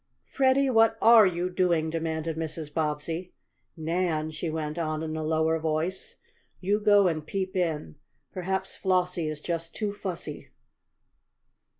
"Freddie, what are you doing?" demanded Mrs. Bobbsey. "Nan," she went on in a lower voice, "you go and peep in. Perhaps Flossie is just too fussy."